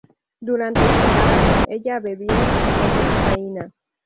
Durante su embarazo, ella bebió y tomó cocaína.